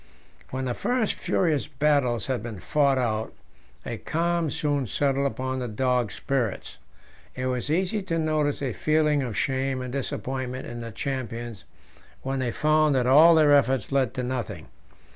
When the first furious battles had been fought out, a calm soon settled upon the dogs' spirits. It was easy to notice a feeling of shame and disappointment in the champions when they found that all their efforts led to nothing.